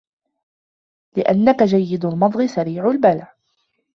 لأنك جيد المضغ سريع البلع